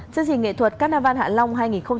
chương trình nghệ thuật carnarvon hạ long